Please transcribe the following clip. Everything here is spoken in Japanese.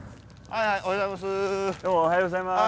おはようございます。